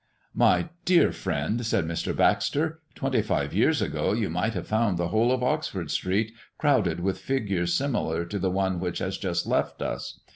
"My dear friend," said Mr. Baxter, "twenty five years ago you might have found the whole of Oxford Street crowded with figures similar to the one which has just left us.